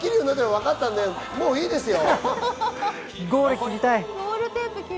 もう、いいですよ。